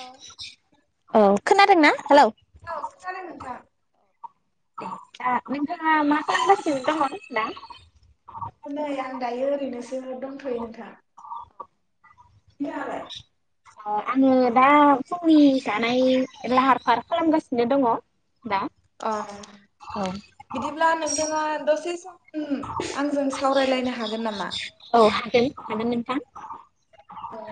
औ औ खोनादों ना हेलौ औ खोनादों नोंथां दा नोंथाङा मा खालामगासिनो दङ दा जों दंथ'यो नोंथां नोंथाङालाय ओ आङो दा फुंनि जानायनि लाहार फाहार खालामगासिनो दङ। दा अ बिदिब्ला नोंथाङा दसे सम आंजों सावरायलायनो हागोन नामा औ हागोन हागोन नों। [unintelligible] अ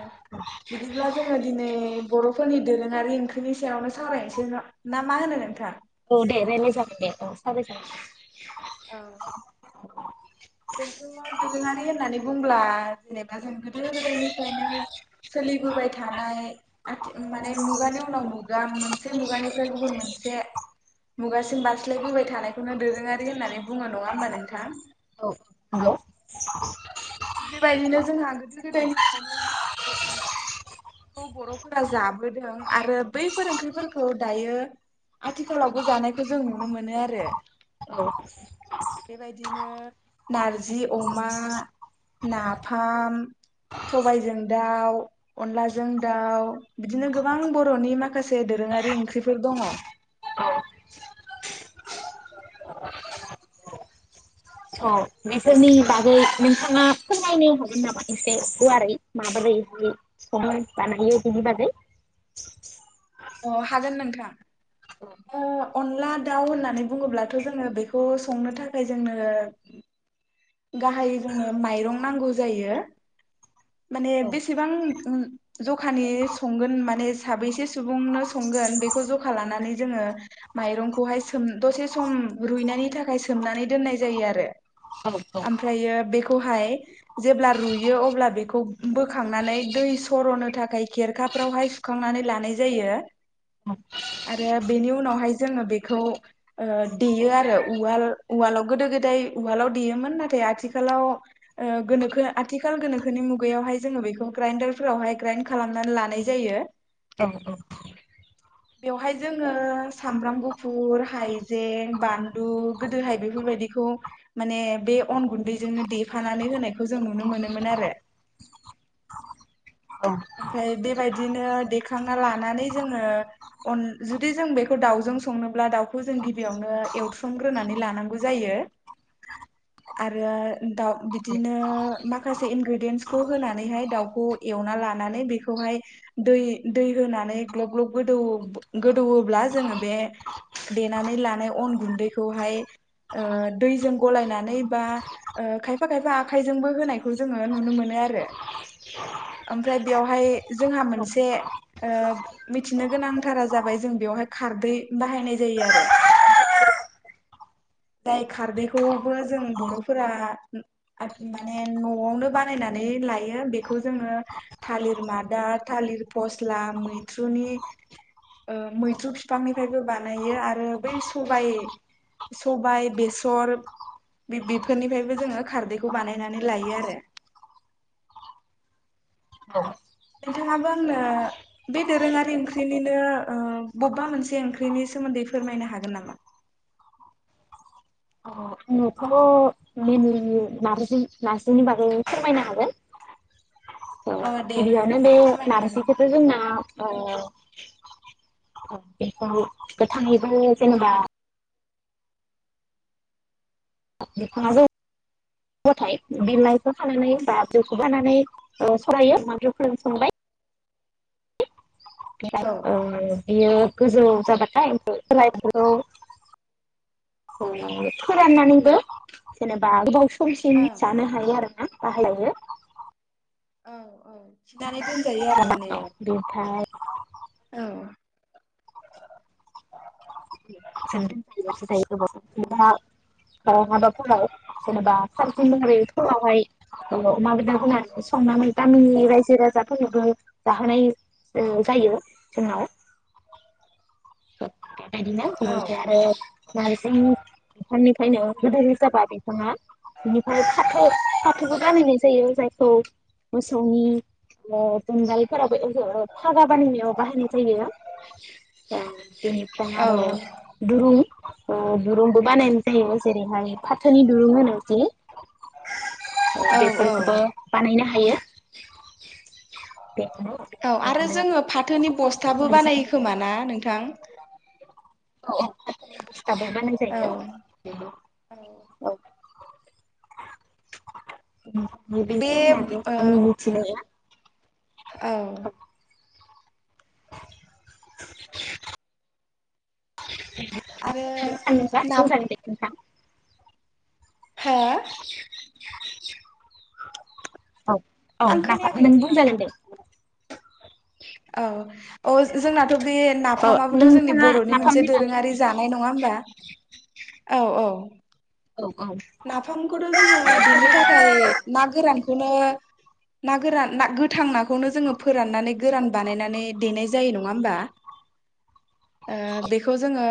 बिदिब्ला जोङो दिनै बर'फोरनि दोरोङारि ओंख्रिनि सायावनो सावरायनोसैना ना मा होनो नोंथां। औ दे रायलाय जागोन दे औ सावराय जागोन। [unintelligible] जोंथ'मा दोरोङारि होननानै बुंब्ला जेनेबा जों गोदो गोदायनिफ्रायनो सोलिबोबाय थानाय आथि माने मुगानि उनाव मुगा मोनसे मुगानिफ्राय गुबुन मोनसे मुगासिम बारस्लायबोबाय थानायखौनो दोरोङारि होननानै बुङो नङा होमबा नोंथां। औ नोंगौ थिग बेबायदिनो जोंहा गोदो गोदायनिफ्रायनो माखासे ओंख्रिखौ बर'फोरा जाबोदों आरो बैफोर ओंख्रिफोरखौ दायो आथिखालावबो जानायखौ जों नुनो मोनो आरो। औ बेबायदिनो नारजि अमा नाफाम सबायजों दाउ अनलाजों दाउ बिदिनो गोबां बर'नि माखासे दोरोङारि ओंख्रिफोर दङ। औ अ बेफोरनि बागै नोंथाङा फोरमायनो हागोन नामा एसे गुवारै माबोरै प्रब्लेम बानायो बिनि बागै। अ हागोन नोंथां। औ ओ अनला दाउ होननानै बुङोब्लाथ' जोङो बेखौ संनो थाखाय जोंनों गाहायै जोंनो माइरं नांगौ जायो। माने औ बेसेबां जखानि संगोन माने साबैसे सुबुंनो संगोन बेखौ जखा लानानै जोङो माइरंखौहाय सोम दसे सम रुइनायनि थाखाय सोमनानै दोननाय जायो आरो औ औ ओमफ्रायो बेखौहाय [unintelligible] जेब्ला रुयो अब्ला बे बेखौ बोखांनानै दै सर'नो थाखाय खेरखाफ्रावहाय सुखांनानै लानाय जायो। आरो बेनि उनावहाय जोङो बेखौ ओ देयो आरो उवालउवलाव गोदो गोदाय उवालाव देयोमोन नाथाय आथिखालाव ओ गोनोखो आथिखाल गोनोखोनि मुगायावहाय जोङो बेखौ ग्राइडारफोरावहाय ग्राइड खालामनानै लानाय जायो। औ औ बेवहाय जोङो सामब्राम गुफुर हाइज जें बानलु गोदोहाय बेफोरबायदि बेखौ माने बे अन गुन्दैजोंनो देफानानै होनायखौ जों नुनो मोनोमोन आरो ओमफ्राय बेबायदिनो देखां लानानै जोंङो अन जुदि जों बेखौ रावजों होनोब्ला दाव बेखौ जों गिबियावनो एव थ्रम ग्रोनानै लानांगौ जायो आरो दाउ बिदिनो माखासे इनग्रिदेनसखौ होनानैहाय जिउखौ एवना ला नानै बेखौहाय दै दै होनानै ग्लब ग्लब गोदौ-गोदौवोब्ला जोङो बै देनानै लानाय अन गुन्दैखौहाय ओ दैजों गलनानै बा ओ खायफा खायफा आखाइजोंबो होनायखौ जोङो नुनो मोनो आरो आम फ्राय बेयावहाय जोंहा मोनसे मिथिनो ओ गोनांथारा जाबाय जों बेवहाय खारदै बाहायनाय जायो आरो जाय खारदैखौबो जों बर'फोरा आथ माने नवावनो बानायनानै लायो बेखौ जोङो थालिर मादा थालिर फस्ला मैथ्रुनि ओ मैथ्रु फिफांनिफ्रायबो बानायो आरो बै सबाय सबाय बेसर बे बेफोरनिफ्रायबो जोङो खारदैखौ बानायनानै लायो आरो। नोंथाङाबो आंनो बे दोरोङारि ओंख्रिनिनो ओ बबेबा मोनसे ओंख्रिनि सोमोन्दै फोरमायनो हागोन नामा? [unintelligible] नारजै नारजिनि बागै फोरमायनो हागोन। औ अ दे गिबियावनो बे फोरमायनो हागोन नारजिखौथ' जोंना ओ बेखौ गोथाङैबो जेनेबा बिफाङा जौबाथाय बिलाइखौ खानानै बा [unintelligible] औ। ओ बियो गोजौ जाबाथाय [unintelligible] फोराननानैबो जेनेबा गोबाव सिम जानो हायो आरो ना। बाहायजायो। औ औ [unintelligible] दोनजायो आरो माने औ बेनिफ्राय जों औ। [inaudible] [inaudible] जेनबा सानसुनिफ्राय फुङावहाय अमा बेदर होनानै संनानै गामिनि रायजो राजाफोरनोबो जाहोनाय ओ जायो जोंनाव। [inaudible] बिदिनो औ [unintelligible] आरो नारजिनि खायनो बेबायदि जाबा बिफाङा बिनिफ्राय फाथो फाथोबो गानहोनाय जायो जायखौ मोसौनि ओ जुंगालफोरावबो फागा बानायनायाव बाहायनाय जायो। बेनिफ्राय औ आरो दुरुं ओ दुरुंबो बानायनाय जायो जेरैहाय फाथोनि दुरुं होनो जि। औ बेफोरखौबो बानायनो हा हायो‌ औ आरो जोङो फाथोनि बस्थाबो नारजि औ बानायो खोमा ना नों थां। औ औ थाबा बानाय औ औ जायो औ। बे ओ [inaudible] [unintelligible] [inaudible] औ आरो नाब [inaudible] हो औ औ आं दा फा खोनायाखै नों नोंथां। बुंजागोन दे। औ। अ जोंनाथ बे औ नाफामाबोथ जोंनि नोंथाङा बर'नि मोनसे नाफामनि बागै दोरोङारि जानाय नङा होमबा। औ औ। औ नाफामखौथ जोङो देनो थाखाय ना गोरान नो ना गोरान ना गोथां नाखौनो जोङो फोराननानै गोरान बानायनानै देनाय जायो नङा होमबा। ओ बेखौ जोङो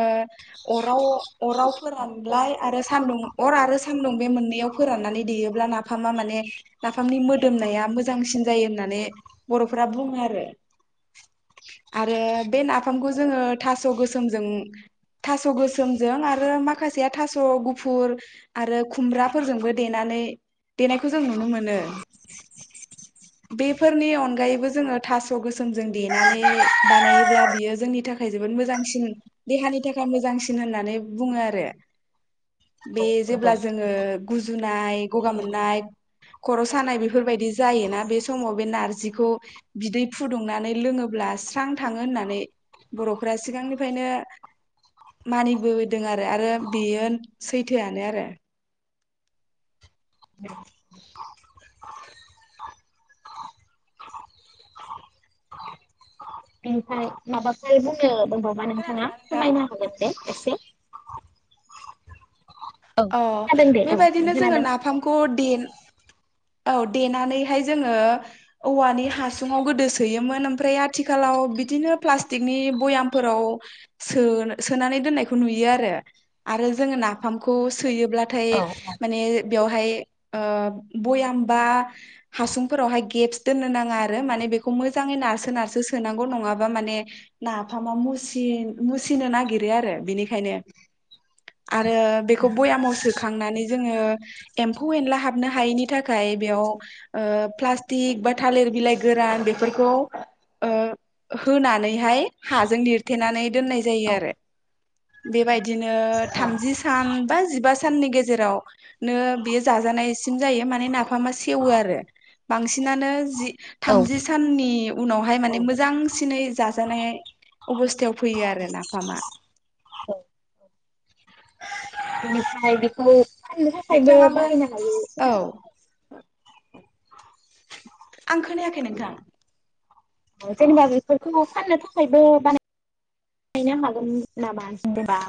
अराव अराव औ औ फोरानलाय आरो सान्दुं अर सान्द सान्दुं बे मोननैयाव फोराननानै देयोब्ला नाफ फामा माने नाफामनि मोदोमनाया मोजांसिन जायो नों होननानै बर'फोरा बुङो आरो आरो बे नाफामखौ जोङो थास गोसोमजों थास गोसोमजों आरो माखासेया थास गुफुर आरो खुमब्राफोरजोंबो देनानै देनायखौ जों नुनो मोनो बेफोरनि अनगायैबो जोङो थास' गोसोमजों देनानै बानायोब्ला बियो जोंनि थाखाय जोबोद मोजांसिन देहानि थाखाय मोजांसिन होननानै बुङो आरो। बे नंगौ जेब्ला जोङो गुजुन नाय गगा मोननाय खर सानाय बेफोरबायदि जायोना बे समाव बे नारजिखौ बिदै फुदुंनानै लोङोब्ला स्रां थाङो होननानै बरफोरा सिगांनिफ्रायनो मानिबोदों आरो आरो बेयो सैथोआनो आरो ओमफ्राय माबाफोर बुंनो अबावबा नोंथाङा खोनादोंना नोंथां? फोरमायना हगोन दे। बे अ दे औ बेबायदिनो जोङो खोनादों नाफामखौ देन औ देनानैहाय जोंङो औवानि हासुंआव गोदो सोयोमोन ओमफ्राय आथिखालाव बिदिनो प्लासटिकनि बयामफोराव सो सोनानै दोननाखौ नुयो आरो आरो जोंङो नाफाम खौ सोयोब्ला थाय औ माने बेयावहाय ओ बयाम बा हासुंफोरावहाय गेप्स दोननो नाङा आरो माने बेखौ मोजाङै नारसो नारसो सोनांगौ नङाबा माने नाफामा मुसि मुसिनो नागिरो आरो बेनिखायनो आरो बे खौ बयामाव सोबखांनानै एम्फौ एनला हाबनो हायैनि थाखाय बेयाव ओ प्लास्टिक बा थालिर बिलाइ गोरान बेफोरखौ ओ होनानैहाय हा जों लिथेनानै दोननाय जायो औ आरो बेबायदिनो थामजि सान बा जिबा साननि गेजेरावनो बेयो जाजानायसिम जायो माने नाफामा सेवो आरो बांसिनानो जि औ थामजि साननि उनावहाय माने मोजांसिनै जाजानाय अबस्थायाव फैयो आरो नाफामा। ओमफ्राय बेखौ फाननो थाखायबो नोंथाङाबो बाहायनो औ हायो। आं खोनायाखै नोंथां। जेनेबा बेफोरखौ फाननो थाखायबो बानायनो हागोन नामा जेनेबा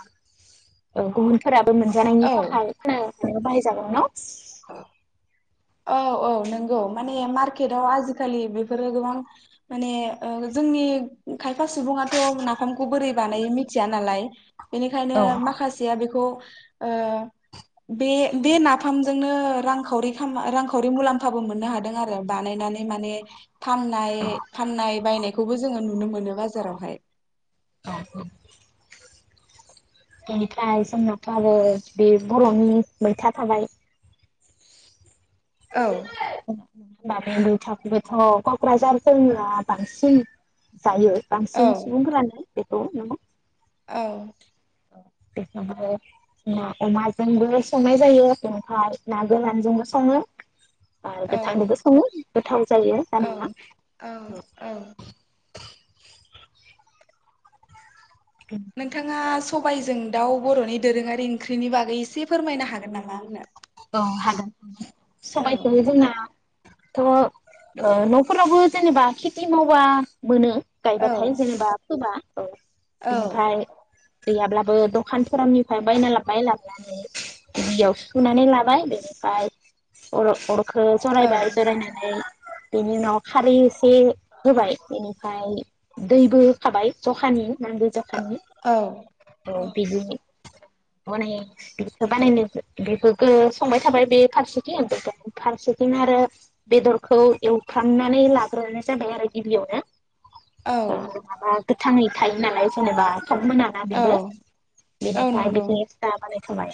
ओ गुबुनफोराबो मोनजानायनि औ थाखाय। बाहाय जागोन न'। औ औ नंगौ माने मार्केटाव आजिखालि बेफोरो गोबां माने ओ जोंनि खायफा सुबुङाथ' नाफामखौ बोरै बानायो मिथिया नालाय। बेनिखायनो औ माखासेया बेखौ ओ बे बे नाफामजोंनो रांखावरि [unintelligible] रांखावरि मुलाम्फाबो मोननो हादों आरो बानायनानै माने फाननाय फाननाय बायनायखौबो जोङो नु नुनो मोनो बाजारावहाय। [inaudible] बेनिफ्राय जोंनाथ' आरो बे बर'नि मैथा थाबाय औ। हबामलु थाखबोथ' क'क्राझारफोरनिया बांसिन जायो औ बांसिन सुबुंफ्रानो। बेखौ नामा औ। बेखौनो ना अमाजोंबो संनाय जायो ओमफ्राय ना गोरानजोंबो सङो आरो बे औ गोथांनोबो सङो गोथां जायो औ आरोना। औ औ नोंथाङा सबायाइजों दाउ बर'नि दोरोङारि ओंख्रिनि बागै एसे फोरमायनो हागोन नामा आंनो? औ हागोन। औ सबायखौ जोंना थ' ओ न'फोरावबो जेनेबा खेथि मावबा मोनो। औ गायबाथाय जेनेबा फोबा औ औ बेनिफाय गैयाब्लाबो दखानफोरनिफ्राय बायना लाबबाय लाबनानै दैयाव सुुनानै लाबाय बेनिफाय अर'-अर' खो जरायबाय जरायनानै बेनि उनाव खारै एसे होबाय बेनिफ्राय दैबो होखाबाय जखानि नांगौ जखानि औ औ बिदि [unintelligible] बेखो बानायनो बेखो खो संबाय थाबाय बे फारसेथिं ओ फारसेथिं आरो बेदरखौ एवफ्रामनानै लाग्रोनाय जाबाय आरो गिबियावनो। औ ओ माबा गोथाङै थायो नालाय जेनेबा थाब मोना ना औ बेबो औ बेनिफ्रायाय नंगौ बिखो एक्सट्रा माने थाबाय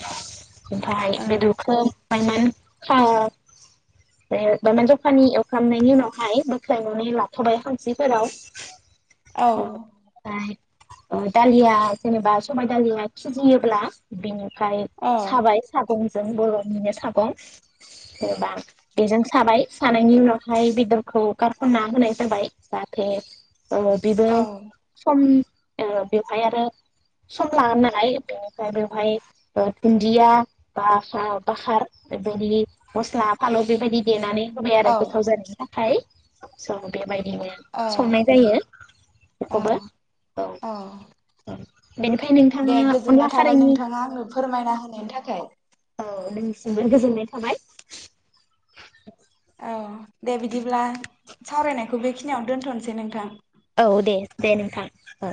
ओमफाय औ बेदुखो मायमान मायमान दखानि एवखांनायनि उनावहाय बोख्रायनानै लाथ'बाय हांस्रिफोराव औ। दालिया जेनेबा सबायाइ दालिया खिजियोब्ला बेनि ओमफ्राय औ साबाय सागं जों बर'निनो सागं जेनेबा बेजों साबाय सानायनि उनावहाय बेदरखौ गारख'ना होनाय जाबाय जाहाथे आ बिबो औ सम ओ बेवहाय आरो सम लागोन नालाय बेनिफ्राय बेवहाय ओ दुन्दिया बा बाखार बेबायदि मस्ला फालौ बेबायदि देनानै होबाय आरो औ गोथाव जानायनि थाखाय। स' बे बाय दिनो संनाय औ जायो बेखौबो औ औ। दे गोजोननाय थाबाय नोंथाङा आंनो फोरमायना होनायनि थाखाय। औ नोंसिमबो गोजोननाय थाबाय। अ दे बिदिब्ला सावरायनायखौ बेखिनियाव दोन्थ'नोसै नोंथां। औ दे दे नोंथां औ।